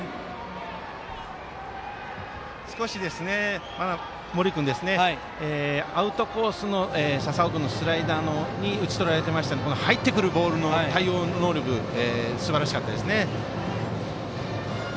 少し、森君アウトコースの笹尾君のスライダーに打ち取られていましたので入ってくるボールの対応能力がすばらしかったですね。